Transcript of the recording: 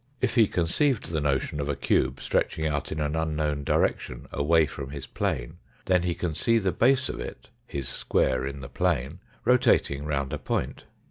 If he conceived the notion of a cube stretching out in an unknown direction away from his plane, then he can see the base of it, his square in the plane, rotating round a point.